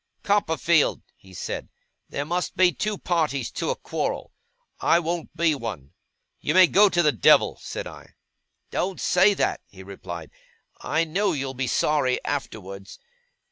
'Copperfield,' he said, 'there must be two parties to a quarrel. I won't be one.' 'You may go to the devil!' said I. 'Don't say that!' he replied. 'I know you'll be sorry afterwards.